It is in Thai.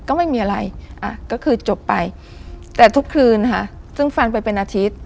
ก็ไม่มีอะไรอ่ะก็คือจบไปแต่ทุกคืนค่ะซึ่งฟันไปเป็นอาทิตย์